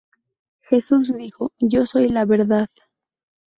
Jesús dijo: "Yo soy la verdad".